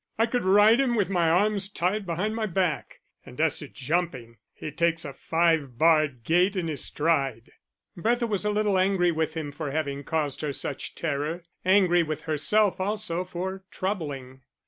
"I could ride him with my arms tied behind my back; and as to jumping he takes a five barred gate in his stride." Bertha was a little angry with him for having caused her such terror, angry with herself also for troubling.